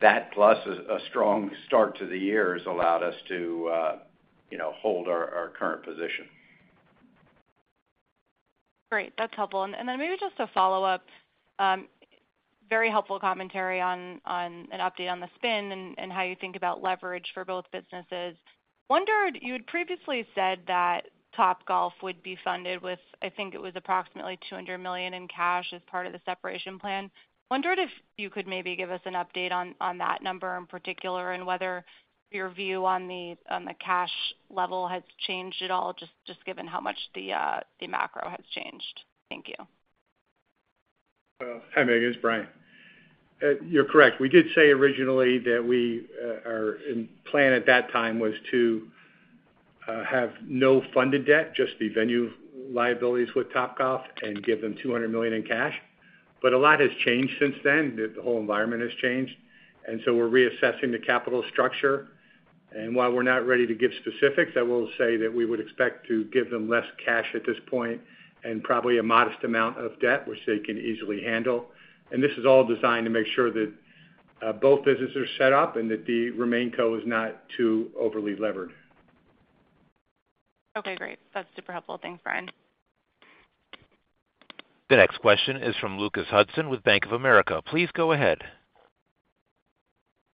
that plus a strong start to the year, has allowed us to hold our current position. Great. That's helpful. Maybe just a follow-up, very helpful commentary on an update on the spin and how you think about leverage for both businesses. You had previously said that Topgolf would be funded with, I think it was approximately $200 million in cash as part of the separation plan. I wondered if you could maybe give us an update on that number in particular and whether your view on the cash level has changed at all, just given how much the macro has changed. Thank you. Hi, Megan. It's Brian. You're correct. We did say originally that our plan at that time was to have no funded debt, just the venue liabilities with Topgolf, and give them $200 million in cash. A lot has changed since then. The whole environment has changed. We are reassessing the capital structure. While we are not ready to give specifics, I will say that we would expect to give them less cash at this point and probably a modest amount of debt, which they can easily handle. This is all designed to make sure that both businesses are set up and that the remaining co is not too overly levered. Okay. Great. That is super helpful. Thanks, Brian. The next question is from Lucas Hudson with Bank of America. Please go ahead.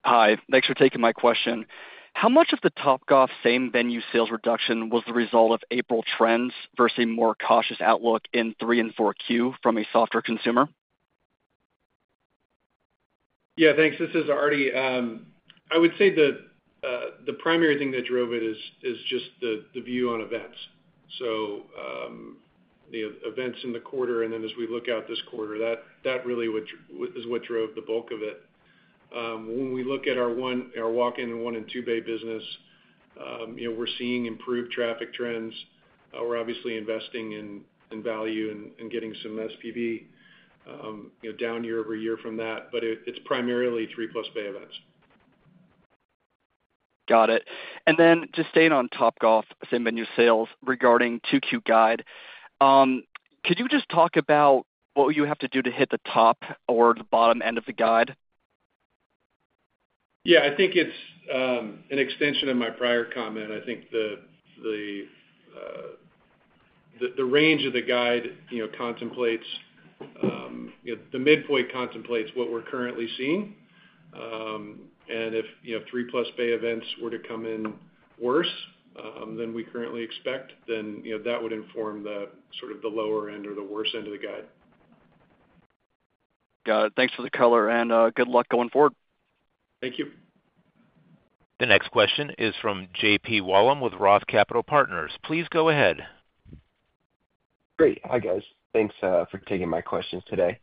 Hi. Thanks for taking my question. How much of the Topgolf same venue sales reduction was the result of April trends versus a more cautious outlook in 3Q and 4Q from a softer consumer? Yeah. Thanks. This is Artie. I would say the primary thing that drove it is just the view on events. So the events in the quarter and then as we look out this quarter, that really is what drove the bulk of it. When we look at our walk-in and one-and-two-bay business, we're seeing improved traffic trends. We're obviously investing in value and getting some SPV down year over year from that, but it's primarily three-plus bay events. Got it. And then just staying on Topgolf same venue sales regarding 2Q guide, could you just talk about what you have to do to hit the top or the bottom end of the guide? Yeah. I think it's an extension of my prior comment. I think the range of the guide contemplates the midpoint contemplates what we're currently seeing. If three-plus bay events were to come in worse than we currently expect, then that would inform the sort of the lower end or the worst end of the guide. Got it. Thanks for the color. Good luck going forward. Thank you. The next question is from JP Wollam with ROTH Capital Partners. Please go ahead. Great. Hi, guys. Thanks for taking my questions today.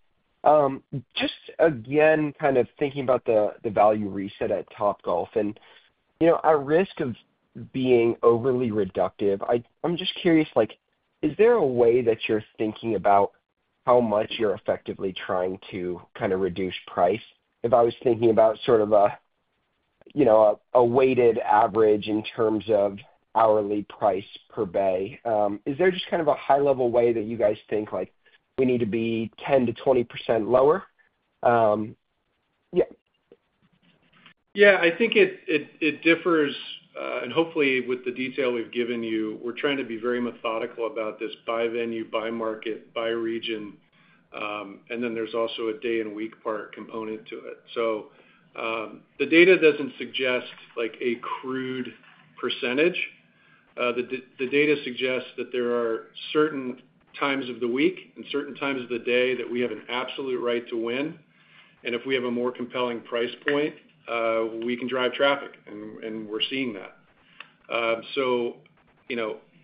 Just again, kind of thinking about the value reset at Topgolf and at our risk of being overly reductive, I'm just curious, is there a way that you're thinking about how much you're effectively trying to kind of reduce price? If I was thinking about sort of a weighted average in terms of hourly price per bay, is there just kind of a high-level way that you guys think we need to be 10%-20% lower? Yeah. Yeah. I think it differs. And hopefully, with the detail we've given you, we're trying to be very methodical about this by venue, by market, by region. And then there's also a day and week part component to it. The data does not suggest a crude percentage. The data suggests that there are certain times of the week and certain times of the day that we have an absolute right to win. And if we have a more compelling price point, we can drive traffic. And we're seeing that.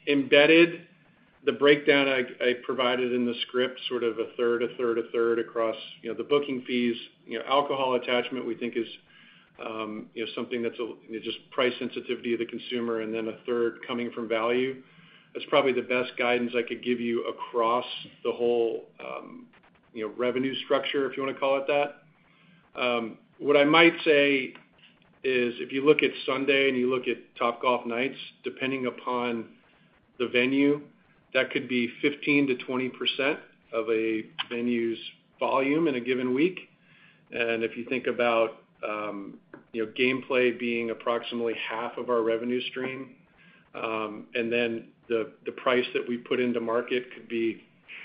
Embedded in the breakdown I provided in the script, sort of a third, a third, a third across the booking fees, alcohol attachment, we think is something that's just price sensitivity of the consumer, and then a third coming from value. That's probably the best guidance I could give you across the whole revenue structure, if you want to call it that. What I might say is if you look at Sunday and you look at Topgolf Nights, depending upon the venue, that could be 15%-20% of a venue's volume in a given week. If you think about gameplay being approximately half of our revenue stream, and then the price that we put into market could be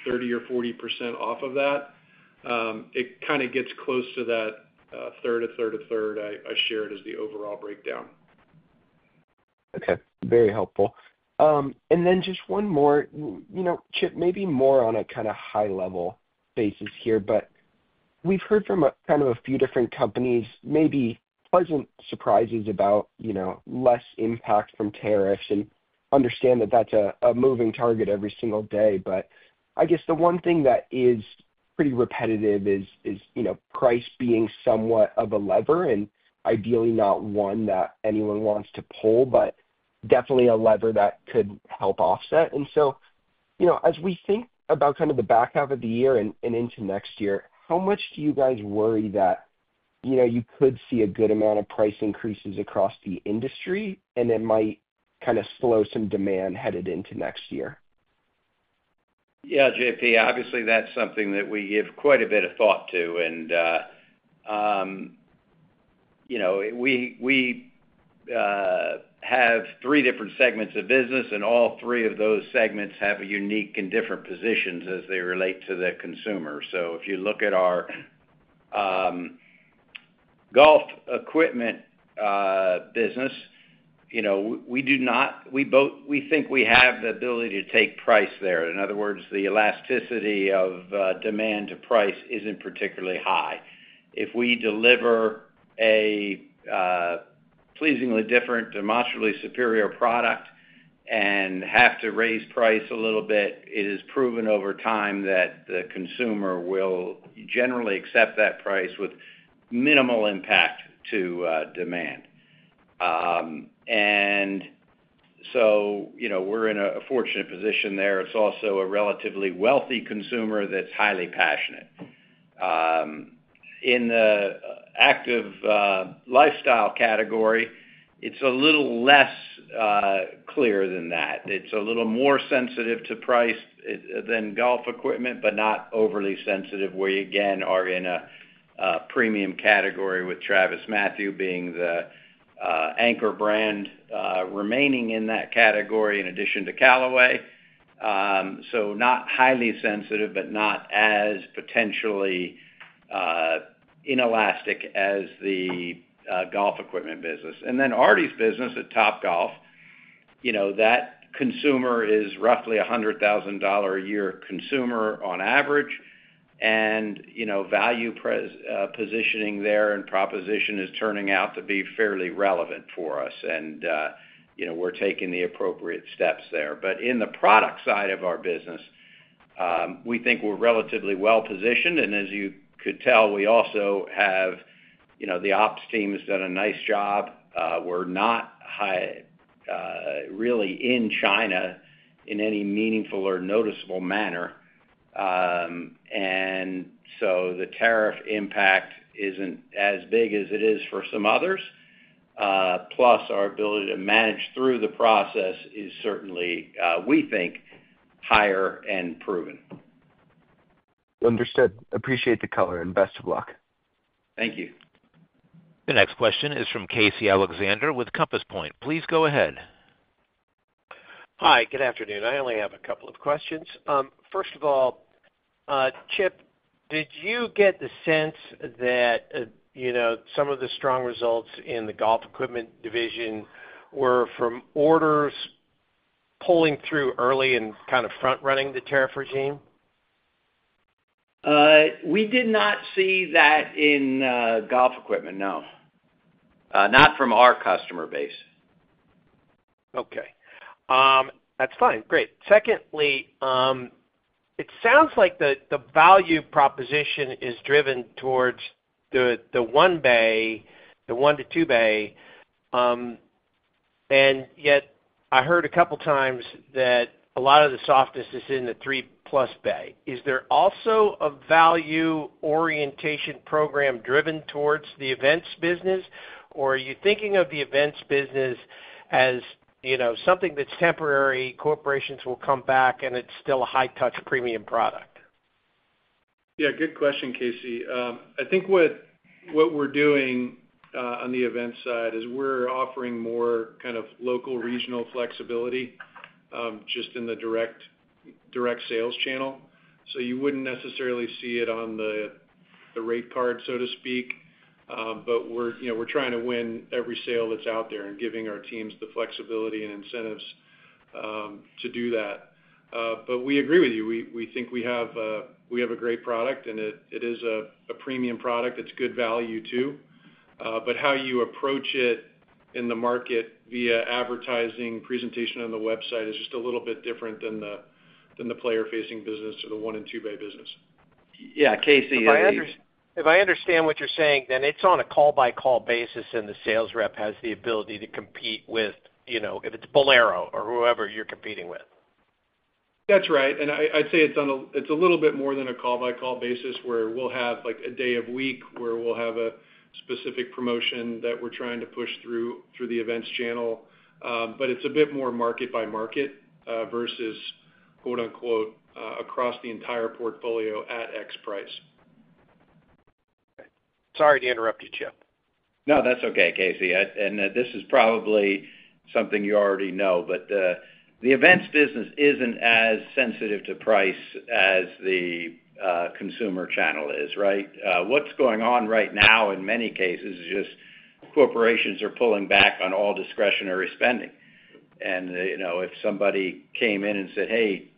30% or 40% off of that, it kind of gets close to that third, a third, a third I shared as the overall breakdown. Okay. Very helpful. And then just one more, Chip, maybe more on a kind of high-level basis here, but we've heard from kind of a few different companies maybe pleasant surprises about less impact from tariffs and understand that that's a moving target every single day. I guess the one thing that is pretty repetitive is price being somewhat of a lever and ideally not one that anyone wants to pull, but definitely a lever that could help offset. As we think about kind of the back half of the year and into next year, how much do you guys worry that you could see a good amount of price increases across the industry and it might kind of slow some demand headed into next year? Yeah. JP, obviously, that's something that we give quite a bit of thought to. We have three different segments of business, and all three of those segments have unique and different positions as they relate to the consumer. If you look at our golf equipment business, we do not, we think we have the ability to take price there. In other words, the elasticity of demand to price is not particularly high. If we deliver a pleasingly different and moderately superior product and have to raise price a little bit, it is proven over time that the consumer will generally accept that price with minimal impact to demand. We are in a fortunate position there. It is also a relatively wealthy consumer that is highly passionate. In the active lifestyle category, it is a little less clear than that. It's a little more sensitive to price than golf equipment, but not overly sensitive where you, again, are in a premium category with TravisMathew being the anchor brand remaining in that category in addition to Callaway. So not highly sensitive, but not as potentially inelastic as the golf equipment business. Then Artie's business at Topgolf, that consumer is roughly a $100,000 a year consumer on average. Value positioning there and proposition is turning out to be fairly relevant for us. We're taking the appropriate steps there. In the product side of our business, we think we're relatively well positioned. As you could tell, we also have the ops team has done a nice job. We're not really in China in any meaningful or noticeable manner. The tariff impact isn't as big as it is for some others. Plus, our ability to manage through the process is certainly, we think, higher and proven. Understood. Appreciate the color and best of luck. Thank you. The next question is from Casey Alexander with Compass Point. Please go ahead. Hi. Good afternoon. I only have a couple of questions. First of all, Chip, did you get the sense that some of the strong results in the golf equipment division were from orders pulling through early and kind of front-running the tariff regime? We did not see that in golf equipment, no. Not from our customer base. Okay. That's fine. Great. Secondly, it sounds like the value proposition is driven towards the one-bay, the one-to-two-bay. And yet I heard a couple of times that a lot of the softness is in the three-plus bay. Is there also a value orientation program driven towards the events business, or are you thinking of the events business as something that's temporary, corporations will come back, and it's still a high-touch premium product? Yeah. Good question, Casey. I think what we're doing on the events side is we're offering more kind of local regional flexibility just in the direct sales channel. You would not necessarily see it on the rate card, so to speak. We are trying to win every sale that's out there and giving our teams the flexibility and incentives to do that. We agree with you. We think we have a great product, and it is a premium product. It's good value too. How you approach it in the market via advertising, presentation on the website is just a little bit different than the player-facing business or the one-and two-bay business. Yeah. Casey, if I understand what you're saying, then it's on a call-by-call basis and the sales rep has the ability to compete with if it's Bowlero or whoever you're competing with. That's right. I'd say it's a little bit more than a call-by-call basis where we'll have a day of week where we'll have a specific promotion that we're trying to push through the events channel. It's a bit more market-by-market versus "across the entire portfolio at X price." Sorry to interrupt you, Chip. No, that's okay, Casey. This is probably something you already know, but the events business isn't as sensitive to price as the consumer channel is, right? What's going on right now in many cases is just corporations are pulling back on all discretionary spending. If somebody came in and said, "Hey,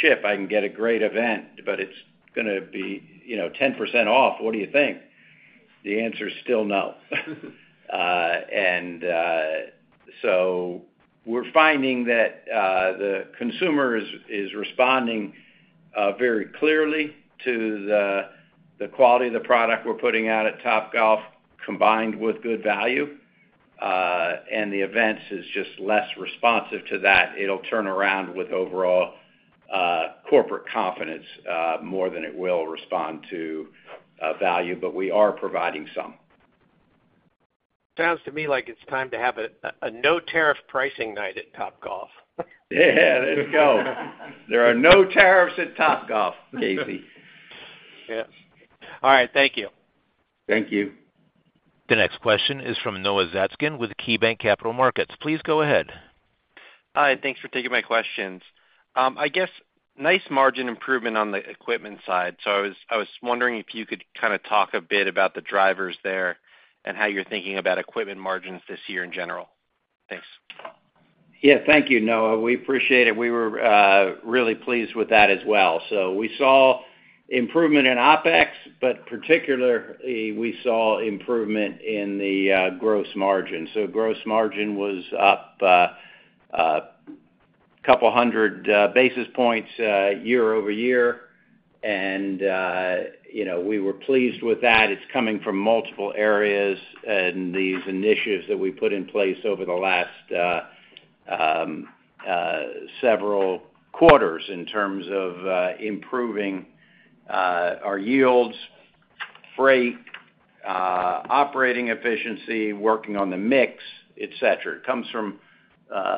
Chip, I can get a great event, but it's going to be 10% off. What do you think?" The answer is still no. We're finding that the consumer is responding very clearly to the quality of the product we're putting out at Topgolf combined with good value. The events is just less responsive to that. It'll turn around with overall corporate confidence more than it will respond to value, but we are providing some. Sounds to me like it's time to have a no-tariff pricing night at Topgolf. Yeah. Let's go. There are no tariffs at Topgolf, Casey. Yes. All right. Thank you. Thank you. The next question is from Noah Zatzkin with KeyBanc Capital Markets. Please go ahead. Hi. Thanks for taking my questions. I guess nice margin improvement on the equipment side. I was wondering if you could kind of talk a bit about the drivers there and how you're thinking about equipment margins this year in general. Thanks. Yeah. Thank you, Noah. We appreciate it. We were really pleased with that as well. We saw improvement in OpEx, but particularly we saw improvement in the gross margin. Gross margin was up a couple hundred basis points year-over-year. We were pleased with that. It's coming from multiple areas and these initiatives that we put in place over the last several quarters in terms of improving our yields, freight, operating efficiency, working on the mix, etc. It comes from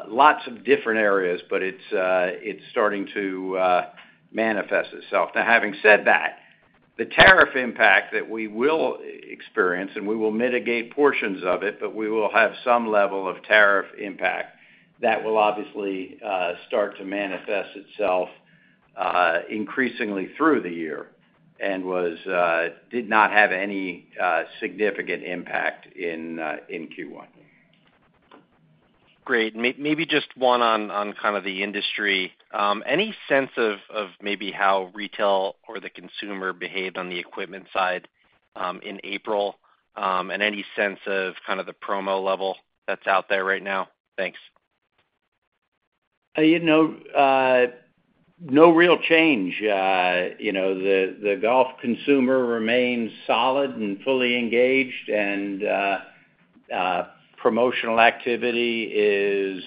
lots of different areas, but it's starting to manifest itself. Now, having said that, the tariff impact that we will experience, and we will mitigate portions of it, but we will have some level of tariff impact that will obviously start to manifest itself increasingly through the year and did not have any significant impact in Q1. Great. Maybe just one on kind of the industry. Any sense of maybe how retail or the consumer behaved on the equipment side in April and any sense of kind of the promo level that's out there right now? Thanks. No real change. The golf consumer remains solid and fully engaged, and promotional activity is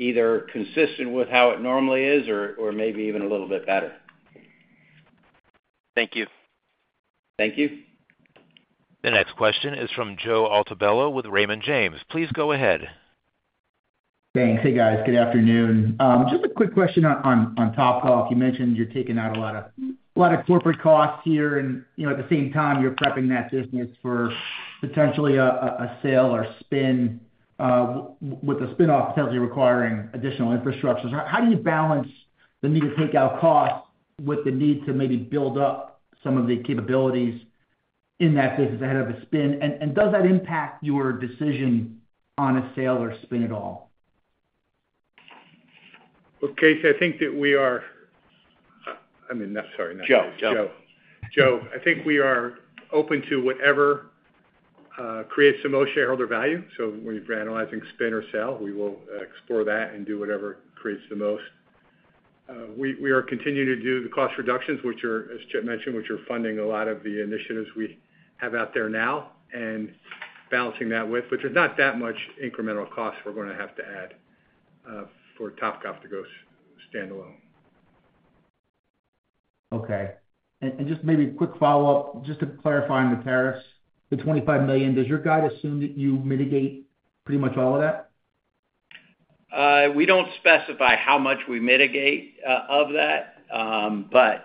either consistent with how it normally is or maybe even a little bit better. Thank you. Thank you. The next question is from Joe Altobello with Raymond James. Please go ahead. Thanks. Hey, guys. Good afternoon. Just a quick question on Topgolf. You mentioned you're taking out a lot of corporate costs here. At the same time, you're prepping that business for potentially a sale or spin, with a spin-off potentially requiring additional infrastructure. How do you balance the need to take out costs with the need to maybe build up some of the capabilities in that business ahead of the spin? Does that impact your decision on a sale or spin at all? Casey, I think that we are—I mean, sorry, not Joe. Joe. I think we are open to whatever creates the most shareholder value. When we're analyzing spin or sale, we will explore that and do whatever creates the most. We are continuing to do the cost reductions, which are, as Chip mentioned, funding a lot of the initiatives we have out there now and balancing that with. There is not that much incremental cost we are going to have to add for Topgolf to go stand alone. Okay. And just maybe a quick follow-up, just to clarify on the tariffs, the $25 million, does your guide assume that you mitigate pretty much all of that? We do not specify how much we mitigate of that, but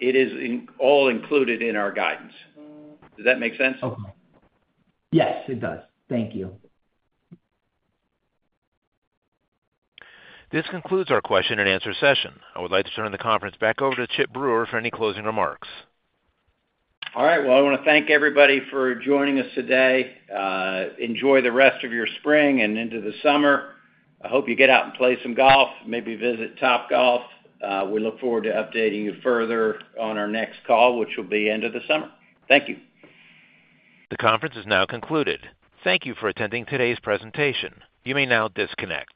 it is all included in our guidance. Does that make sense? Yes, it does. Thank you. This concludes our question-and-answer session. I would like to turn the conference back over to Chip Brewer for any closing remarks. All right. I want to thank everybody for joining us today. Enjoy the rest of your spring and into the summer. I hope you get out and play some golf, maybe visit Topgolf. We look forward to updating you further on our next call, which will be end of the summer. Thank you. The conference is now concluded. Thank you for attending today's presentation. You may now disconnect.